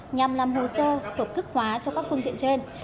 nhằm làm hồ sơ hợp thức hóa cho các phương tiện trên